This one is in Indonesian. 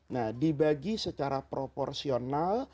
nah dibagi secara proporsional